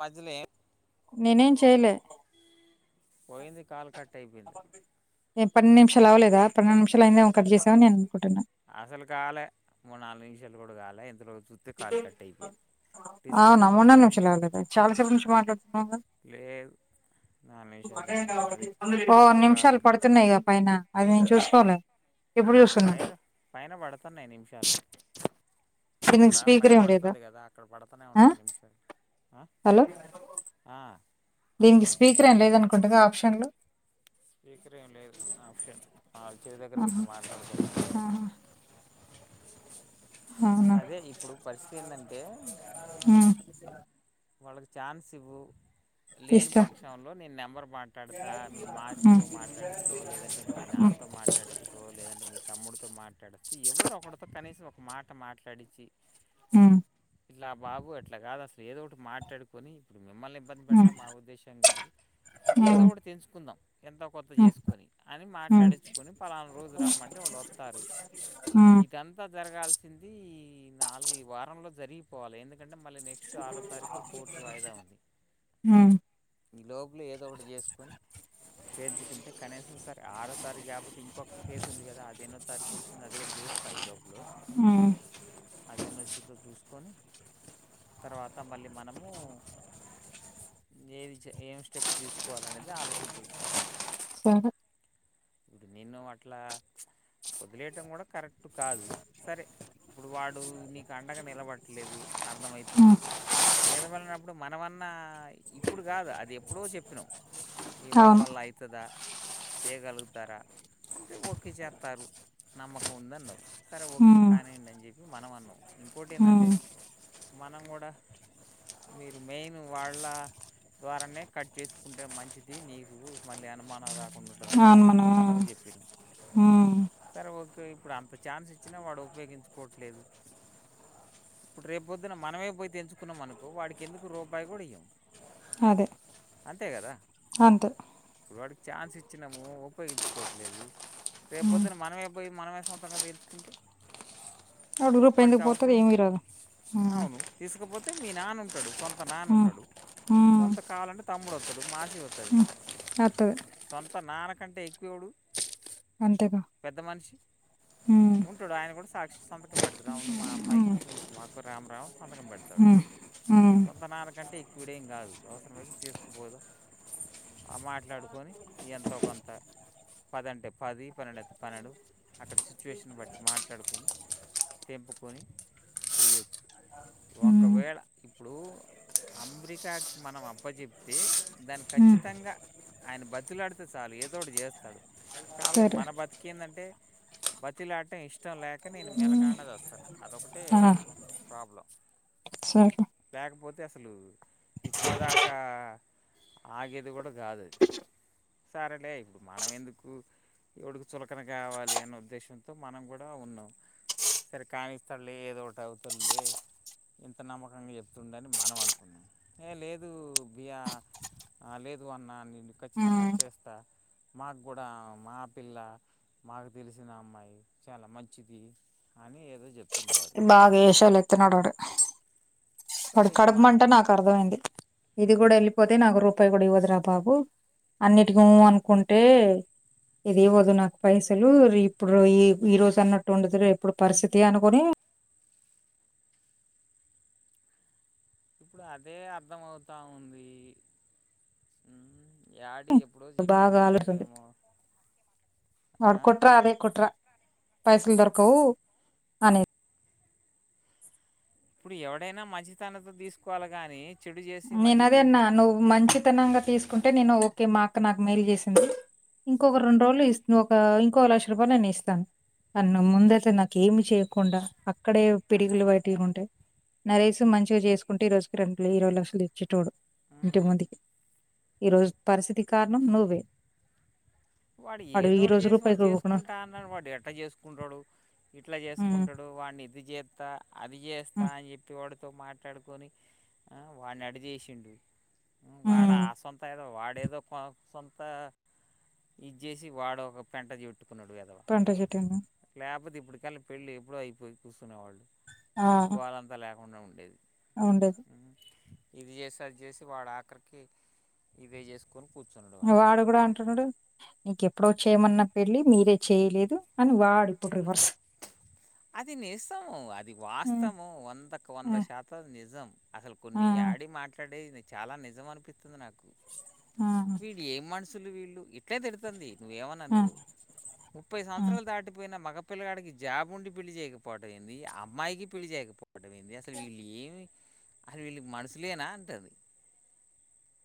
Puzzle ఎ నేనేమ్ చేయలె పోయింది కాల్ కట్ అయిపోయింది. పది నిమిషాలు అవలేదా పన్నం నిమిషాలు అయిందేమో అని కట్ చేసావ్ అని నేను అనుకుంటున్న అసలు కాలే మూడు నాలుగు నిమిషాలు కూడా కాలే ఇంతలో చూస్తే కాలు కట్ అయిపోయింది. అవునా మూడు డిస్కనెక్టింగ్ నాలుగు అని నిమిషాలు అవలేదా చాల సేపటినుంచి మాట్లాడుతున్నాముగా లేదు నాలుగు నిమిషాలు ఏమైంది అది ఓ కాల్ నిమిషాలు పడుతున్నాయిగా పైన అవి నేను చూసుకోలే. ఇప్పుడు చూస్తున్నా పైన పైన పడుతున్నాయి నిమిషాలు దీనికి అక్కడ స్పీకర్ పైన ఏం లేదా పడుతది కదా అక్కడ పడ్తనే ఆ ఉన్నాయి నిమిషాలు. అ హలో ఆ దీనికి స్పీకర్ ఏం లేదనుకుంటాగా ఆప్షన్లు స్పీకర్ ఏం లేదు ఆప్షన్ అల్చేయి దగ్గర పెట్టి మాట్లాడుకోట అవునా అదే ఇప్పుడు పరిస్థితి ఏందంటే ఆ వాళ్ళకి ఛాన్స్ ఇవ్వు లేని ఇస్తా పక్షంలో నేను నెంబర్ మాట్లాడతా మీ మాసి ఉమ్, తో మాట్లాడిసవో లేదంటే మీ నాన్న ఎంతో మాట్లాడి ఇస్తో ఓ లేదు అంటే మి తమ్ముడుతో మాట్డుస్తూ ఎవడు ఒకటితో కనీసం ఒక మాట మాట్లాడించి మ్ ఇట్లా బాబు అట్లా కాదు అసలు ఏదో ఒకటి మాట్లాడుకుని మిమ్మల్ని ఇబ్బంది ఉమ్, పెట్టడం మా ఉద్దేశ్యం కాదు ఏదో ఉమ్, కూడా తెచ్చుకుదాం ఎంత కొత్త చేసుకొని అని ఉమ్, ఉమ్, మాట్లాడించుకని పలానా రోజు రమ్మంటే వాళ్ళు ఓతారు ఉమ్, ఇకంత జరగాల్సి ట్యూల్లి నాలుగు ఇ వారంలో జరిగిపోవాలి ఎందుకంటే మళ్ళీ నెక్స్ట్ ఆరో మ్ ఈలోపల ఏదో ఒకటి చేసుకొని తెల్చు కుంటే కనీసం సరే ఆరో తారీఖు కాకపోతే ఇంకొక కేసు ఉంది కదా అది ఎన్నో తారీఖు వచ్చింది అది కూడా చూస్తా ఈ లోపు హ అది అనో వచ్చిందో చూసుకొని తర్వాత మళ్ళీ మనము ఏది ఏం స్టెప్పు తీసుకోవాల అనేది ఆలోచించొచ్చు హ్మ్ నిన్ను అట్లా వదిలేయటం కూడా కరెక్ట్ కాదు సరే ఇప్పుడు వాడు నీకు అండగా నిలబట్టలేదు అర్ధం ఉమ్, అయితుంది నిలబెలినప్పుడు మనమన్నా ఇప్పుడు కాదు అది ఎప్పుడో చేపినం మీ వాళ్ల అవును వల్ల ఐతదా చేయగలుగు తార అంటే ఒకే చేతారు నమ్మకం ఉంది అన్నావు సరే ఓకే ఉమ్, కానీండి అని చెప్పి మనం అన్నాం ఇంకోటి ఏందంటే ఉమ్, మనం కూడా మీరు మెయిన్ వాళ్ళ ద్వారానే కట్ చేసుకుంటే మంచిది నీకు మళ్ళీ అనుమానం రాకు ఉంటదాన్పిస్తే మనం చేపినం ఉమ్, సరే ఓకే ఇప్పుడు అంత ఛాన్స్ ఇచ్చినా వాడు ఉపయోగించుకోవట్లేదు ఇప్పుడు రేపు పొద్దున మనమే పోయి తెంచుకున్నాం అనుకో వాడికి ఎందుకు రూపాయి కూడా ఈయం అదే అంతే కదా అంతే ఇప్పుడు వాడికి చాన్స్ ఇచ్చినాము ఉపయోగించుకోవట్లేదు రేపు పోదున మనమే పోయి మనమే సొంతంగా తేల్చుకుంటే ఆలోపు పెల్ని పోతుంది ఏమిరాదు హ్మ్ ఐతే మీ నాన్న ఉంటాడు సొంత నాన్న ఉన్నాడు ఉమ్, సొంత కాలంటే తమ్ముడు వతడు మాసి ఒతది వత్తది సొంత నాన్నకంటే ఏకువ్వు ఎవడు అంతేగా పెద్ద మనిషి ఉమ్, ఉంటాడు ఆయన కూడా సా సంతకం పెడతాడు అవును మా అమ్మాయికి మీకు మాకు రాంరాం సంతకం పెడతాడు ఉమ్, ఉమ్, సొంత నాన్నకంటే ఎక్కువ వీడు ఎం కాదు అవసరమయితే తీసుకుపోదు ఆ మాట్లాడుకొని ఎంతో కొంత పదంటే పది పన్నెండు అయితే పన్నెండు అక్కడ సిచ్యుయేషన్ బట్టి మాట్లాడుకొని తెంపుకొని చేయొచ్చు ఉమ్, ఒకవేళ ఇప్పుడు అమెరికాకి మనం అప్పాజెప్తే దాని ఉమ్, ఖచ్చితంగా ఆయన బతిమ్లాడితే చాలు ఏదో ఒకటి చేస్తాడు కాబపోతే సరే మన బతుకు ఎందంటే బతిమ్లాడటం ఇష్టం లేక నేను మేలకాడా సస్తున్న అది ఒకటే ప్రాబ్లం సర్ లే లేకపోతే అసలు ఇప్పుడిదాకా ఆగేది కూడా కాదది సరే లే మనం ఎందుకు ఎవడుకి చులకన కావాలి అనే ఉద్దేశంతో మనం కూడా ఉన్నాం సరే కానిస్తడులె ఏదో ఒకటి అవుతుంది ఇంత నమ్మకంగా చెప్తుండని మనం అనుకున్నాం ఏ లేదు బియా ఆ లేదు అన్న నేను ఖచ్చితంగా ఉమ్, చేస్తా మాక్కుడా మా పిల్ల మాకు తెలిసిన అమ్మాయి చాలా మంచిది అని ఏదో చెప్ బాగేయేష లేత్తున్నాడు ఆ డు వాడి సరే కడుపు మంట నాకు మనకెందుకు అర్థమైంది ఇది కూడా ఎళ్ళి పోతే నాకు రూపాయి కూడా ఇవ్వదురా బాబు అన్నిటికి ఉ అనుకుంటే ఇదివ్వదు నాకు పైసలు ఇప్పుడు ఈ ఈ రోజున్నట్టు ఉండదు రేపటి పరిస్థితి అనుకుని ఇప్పుడు అదే అర్ధం అవుతా ఉంది మ్ యాడి ఎప్పుడో చెప్పింది ఏమో వాడి కుట్ర అదే కుట్ర పైసలు దొరుకవు అనే ఇప్పుడు ఎవడైనా మంచితనంతో తీసుకోవాలి గాని నేనదే అన్నా నువ్వు మంచితనంగా తీసుకుంటే నేను ఓకే మా అక్క నాకు మెలు చేసింది ఇంకొక రెండు రోజులు ఇస్ ఒక ఇంకో లక్ష రూపలు నేను ఇస్తా నన్ను ముందయితే నాకేమి చేయకుండా అక్కడే పిడిగిలు బటి ఉంటయ్ నరేష్ మంచిగా చేసుకుంటే ఈ రోజు [unintelligible] ఇరవై లక్ష లిచ్చిటోడు ఇంటి ముందుకి ఈరోజు పరిస్థితికి కారణం నువ్వే వాడు ఈ ఏదోటి రోజు చేసి రూపాయి వాడు ఇవ్వకుండా చేసుకుంటా అన్నడు వాడు ఎట్ట చేసుకుంటాడు ఇట్లా ఉమ్, చేసుకుంటడు వాన్ని ఇది చేస్తా అది చేస్తా ఉమ్, అని చెప్పి వాడితో మాట్లాడుకొని మ్ వాన్ని అటు చేేసిండు వాడ ఉమ్, ఆ సొంత ఏదో వాడేదో సొంత ఇది జెసి వాడు ఒక పెంట చుట్టుకున్నాడు యెధవ పంట చెట్టు ఉంది. లేకపోతే ఇప్పటికల్ల పెళ్ళి ఎప్పుడో అయిపోయి కూర్చునే వాళ్ళు ఈ గోలంతా లేకుండా ఉండేది అ ఉండేద్ ఉం, ఇది చేసి అది చేసి వాడు ఆఖరికి ఇవే చేస్ వాడు కూడ అంటున్నడు నీకెప్పుడో చేయమన్నా పెళ్ళి మీరే చేయలేదు అని వాడిప్పుడు రివర్స్ అది నిజము అది ఆ, వాస్తవము వందకు వంద ఆ, శాతం నిజం అసలు కొన్ని ఆ. అడే మాట్లాడేది చాలా నిజం అనిపిస్తుంది నాకు వీళ్ళు ఏం మనుషులు వీళ్ళు ఇట్లే తిడుతుంది నువ్వేమని అనుకో ముప్పై సంవత్సరాలు దాటిపోయిన మగ పిల్లగాడికి జాబుండి పెళ్లి చేయకపోవడం ఏంది ఆ అమ్మాయికి పెళ్లి చేయకపోవడం ఏంది అసలు వీళ్ళు ఏమి అరే వీల్లు మనుషులేనా అంటది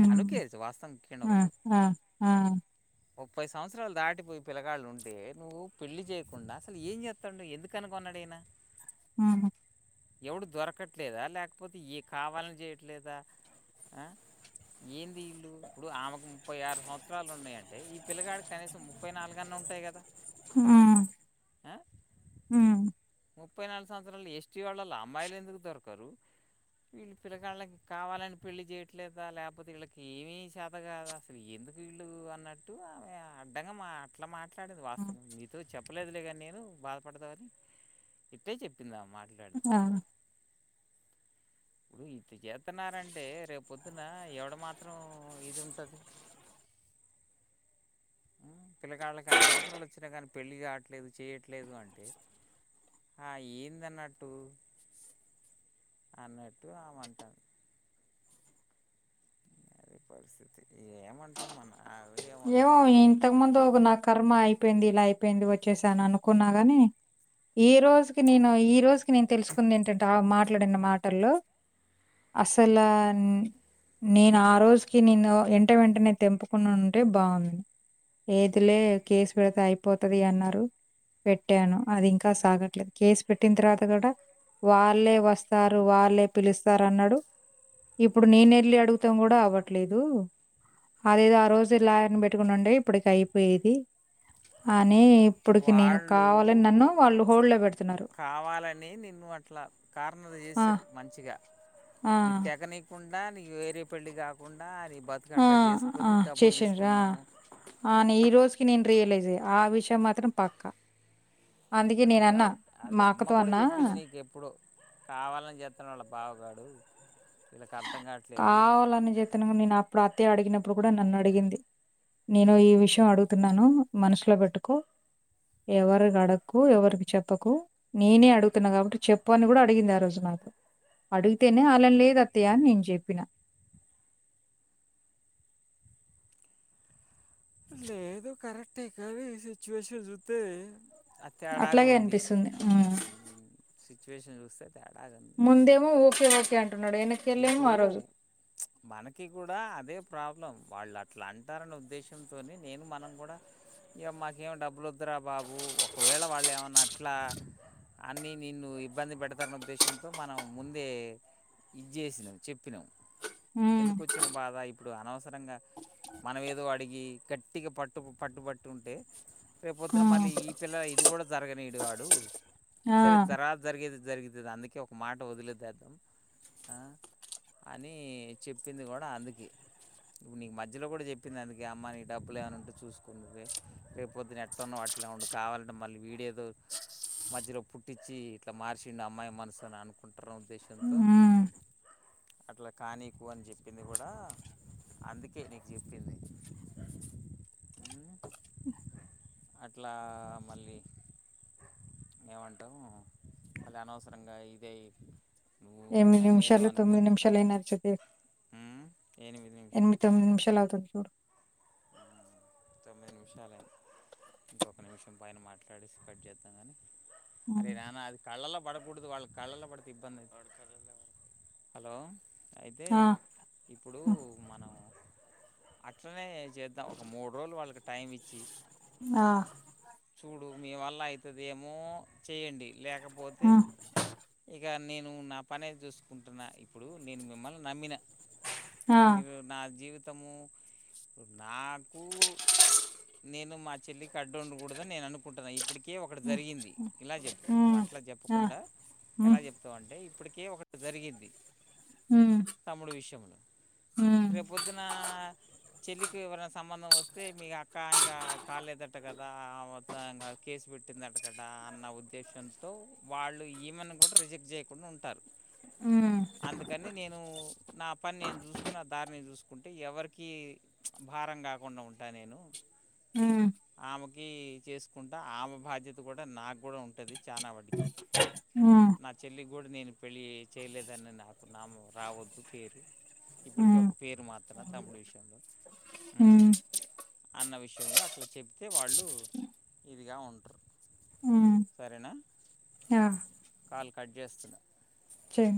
మ్ అనుకోవచ్చు వాస్తవం ఆ ఆ ఆ ముప్పై సంవత్సరాలు దాటిపోయి పిలగాళ్లు ఉంటే నువ్వు పెళ్లి చేయకుండా అసలు ఏం చేత్తండు ఎందుకు కనుకున్నడిన ఆవును ఎవడు దొరకట్లేదా లేకపోతే ఏ కావాలని చేయట్లేదా ఆ ఏంది ఈళ్ళు ఇప్పుడు ఆమెకు ముప్పై ఆరు సంవత్సరాలున్నాయంటే ఈ పిల్లగాడికి కనీసం ముప్పై నాలుగన్న ఉంటాయి కదా హ ఆ మ్ ముప్పై నాలుగు సంవత్సరాలు ఎస్టి వాళ్ళలో అమ్మాయిలు ఎందుకు దొరుకరు వీళ్ళు పిల్లగాళ్ళకి కావాలని పెళ్లిి చేయట్లేదా లేకపోతే వీళ్ళకి ఏమి శాత కాద అసలు ఏ ందుకు వీళ్లు అన్నట్టు ఆమె అడ్డంగ మాట్లు మా కాని ఇది వాస్తవం నీతో చెప్పలేదులే గాని నేను బాధ పాడుతావని ఇట్టే చెప్పింది ఆమె మాట్లాడు ఇట్ల చేత్తున్నారంటే రేపు పొద్దున ఎవడు మాత్రం ఇది ఉంటది పిల్లకాళ్ళకి అన్ని సంవత్సరాలు వొచ్చినా గాని పెళ్ళి గాట్లేదు చేయట్లేదు అంటే ఆ ఏందన్నట్టు అన్నట్టు ఆమె అంటాంది అది పరిస్థితి ఏమంటాం మన అవి ఏమో ఏమోనమ్మ వాళ్ళ ఇంతకు ముందు గ నా కర్మ అయిపోయింది ఇలా అయిపోయింది వ చేసాను అనుకున్నా గాని ఈ రోజుకి నేను ఈ రోజుకి నేను తెలుసుకుంది ఏంటంటే ఆ మాట్ ట్లాడిన మాటల్లో అసలా నేను ఆ రోజుకి నిన్ను ఎంట వెంటనే తెంపు కూనుంటే ఉంటే బాగుంది ఏదిలే కేసు విడత అయిపోతది అన్నారు పెట్టాను అది ఇంకా సాగట్లేదు కేసు పెట్టిన తర్వాత గుడా వాళ్లే వస్తారు వాళ్లే పిలుస్తారు అన్నాడు ఇప్పుడు నేనెళ్ళి అడుగుతాం కూడా అవ్వట్లేదు అదేదో ఆ రోజు లాయర్ని పెట్టుకుని ఉండే ఇప్పటికి అయిపోయేది అని ఇప్పటికి నేను వాళ్ళు కావాలని నన్ను వాళ్ళు హోల్డ్‌లో పెడుతున్నారు. కావాలనె నిన్ను అట్లా కా అమ్ నువ్ ఆ! ఏసిరు మంచిగా ఆ! ఈ తెగనీయకుండా నీగ్ వేరే పెళ్లి కాకుండా అది బతుకు ఆ! అట్లా ఆ! చేసుకుని డబ్బులు తీసుకున్నాము కి నేను రియలైజ్ అయ్య ఆ విషయం మాత్రం పక్క అది డౌట్ అది అమ్మ కూడా చెప్పింది నీకెప్పుడొ కావాలని చెతున్నాల్ వాళ్ళ బావ గాడు వీళ్ళక్ అర్థ్ కావాలన్న చేతున గున నేను అప్పుడు అత్తయ్య అడిగినప్పుడు కూడా నన్ను అడిగింది నేను ఈ విషయం అడుగుతున్నాను మనషులో బెట్టుకో ఎవరిని అడక్కు ఎవరికి చెప్పకు నేనే అడుగుతున్నా కాబట్టి చెప్పు అని కూడా అడిగింది ఆ రోజు నా అడిగితేనే అల లేదు అత్తయ్య నేను చెప్ పీన మ్ లేదు కరెక్టే గాని సిచ్యువేషన్ చూత్తే అట్లాగే అనిపిస్తుంది ఉ సిట్యుయేషన్ చూస్తే తేడాగా ఉంది ముందేమో ఓకే ఓకే అన్ ఇప్పుడు మనకి కూడా అదే ప్రాబ్లం వాళ్ళు అట్లా అంటారని ఉద్దేశంతోనే నేను మనం కూడా ఇగ మాకేం డబ్బులొద్దురా రా బాబు ఒకవేళ వాళ్ళు ఏమన్న అట్లా అన్ని నిన్ను ఇబ్బంది పెడతాన ఉద్దేశంతో మనం ముందే చేసినావు చెప్పినవు హ్మ్. ఎందుకోచ్చినా బాధ ఇప్పుడు అనవసరంగా మనం ఏదో అడిగి గట్టిగా పట్టు పట్టు పట్టు ఉంటే రేవు పొద్దున్న హ్మ్. మళ్ళీ ఈ పిల్ల ఇది కూడా జరగనియడు వాడు ఆ! సరే జరా జరిగేది. జరుగుతది అందుకే ఒక మాట వదిలేద అద్దం ఆ అని చెప్పింది గుడా అందుకె ఇప్పుడు నీకు మధ్యలో కూడా చెప్పింది అందుకే అమ్మ నీ డబ్బులు ఏమన ఉంటే చూసుకో నువ్వే రేపు పొద్దున్న ఎట్టన్న ఓ అట్ ఇట్లా ఉండు కావాలంటే మళ్ళీ వీడియోతో మధ్యలో పుట్టించి ఇట్లా మార్చిండు అమ్మాయి మనసు అని అనుకుంటారు ఉద్దేశంతో హ్మ్. అట్లా కానీకు అని చెప్పింది గుడా అందుకే నీకు చెప్పింది అట్లా మళ్ళీ ఏమంటావు మళ్ళీ అనవసరంగా ఇదయ్ ఎనిమిది నిమిషాలు తొమ్మిది నిమిషాలు అయినాది చెప్పే ఎనిమిది ఎనిమి నిమిషాలు తొమ్మిది నిమిషాలువుతది చూడు తొమ్మిది నిమిషాలైన్ ఇంకొక నిమిషం పైన మాట్లాడేసి కట్ జేద్దాం గాని అరే హ్మ్. నాన్న అది కళ్ళలో బడకూడదు వాళ్ళకి కళ్ళల్లో బడ్తే ఇబ్బంది ఐతది హలో అయితే ఆ! ఇప్పుడు హ్మ్. మన అట్లనే జేద్దాం ఒక మూర్రోలు వాళ్ళకి టైమిచ్చి ఆ చూడు మీ వల్ల అయితదేమో చేయండి లేకపోతే హ్మ్. ఇగ్ ఇగా నేను నా పనేది జూస్కుంటున్నా ఇప్పుడు నేను మిమ్మల్ని నమ్మిన మీరు నా జీవితము నాకు నేను మా చెల్లి కడ్డు ఉండకూడదని నేను అనుకుంటున ఇప్పటికి ఏ ఒకటి ఆ! జరిగింది ఇలా జెప్పు నువ్వు ఉమ్ అట్ల ఆ జెప్పకుండా ఎలా ఉమ్ జెప్తావంటే ఇప్పటిక్ కే ఒకటి ఒకటి జరిగింది ఉమ్ తమ్ముడు విష్యంలో ఉమ్ రేపొద్దున్న చెల్లికి ఎవరైనా సంబంధం వొస్తే మీ అక్క ఇంకా కాలేదట గదా మొత్తం ఇంగా కేసు పెట్టి పట్టిందంట కడా అన్న ఉద్దేశ్యంతో వాళ్ళు ఈమెని గూడా రిజెక్ట్ జేయకుండా ఉంటారు ఉమ్ అందుకని నేను నాప్ పన్నేన్ జూస్కుని దార్ని జూస్కుంటే ఎవరికి ప్చ్ భారం గాకుండా ఉంటా నేను ఊ ఆమెకి చేస్కుంటా ఆమె బాధ్యత గూడా నాగ్గూడా ఉంటది చానా వాటికి ఊ గూడా నేను పెళ్ళి చేయలేదని నాకు నాము రావద్దు పేరు ఇప్పటికే ఒక పేరు మాత్రన తమ్ముడు విషంలో హుమ్ అన్న విష్యంలో అట్ల చెబితే వాళ్ళు ఇదిగా ఉంట్రు ఉమ్ సరేనా ఆ కాల్ కట్ జేస్తున్నా ఉమ్